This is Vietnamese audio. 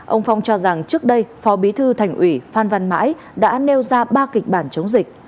ông phong cho rằng trước đây phó bí thư thành ủy phan văn mãi đã nêu ra ba kịch bản chống dịch